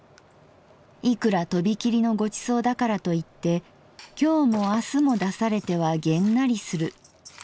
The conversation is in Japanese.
いくらとび切りのご馳走だからと言って今日も明日も出されてはげんなりする。